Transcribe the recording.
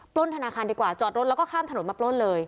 ล้นธนาคารดีกว่าจอดรถแล้วก็ข้ามถนนมาปล้นเลย